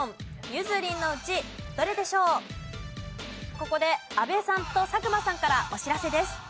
ここで阿部さんと佐久間さんからお知らせです。